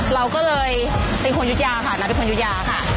เราก็เลยเป็นคนยุธยาค่ะนัทเป็นคนยุธยาค่ะ